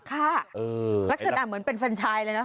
ค่ะลักษณะเหมือนเป็นแฟนชายเลยนะ